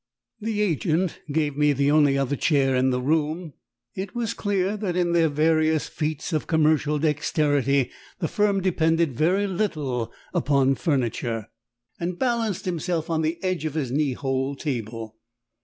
The agent gave me the only other chair in the room it was clear that in their various feats of commercial dexterity the firm depended very little upon furniture and balanced himself on the edge of his knee hole table.